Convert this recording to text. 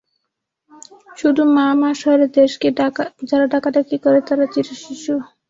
শুধু মা মা স্বরে দেশকে যারা ডাকাডাকি করে, তারা চিরশিশু।